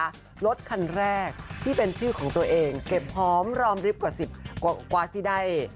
รถคันแรกที่เป็นชื่อของตัวเองเก็บหอมรอมริบกว่าสิบกว่าที่ได้